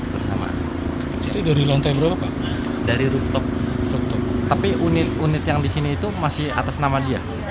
pertama itu dari lantai berapa pak dari rooftop tapi unit unit yang di sini itu masih atas nama dia